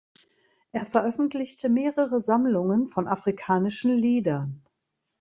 Er veröffentlichte mehrere Sammlungen von afrikanischen Liedern.